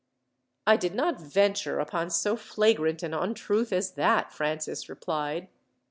"I did not venture upon so flagrant an untruth as that," Francis replied.